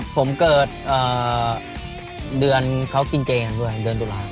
ผมเกิดเดือนเขากินเจกันด้วยเดือนตุลาค